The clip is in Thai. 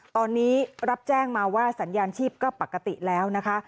ตอนนี้รับแจ้งมาว่าสัญญาณชีพก็ปกติแล้วนะคะ